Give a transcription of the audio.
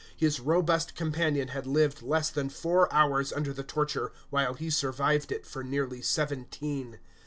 His robust companion had lived less than four hours under the torture, while he survived it for nearly seventeen.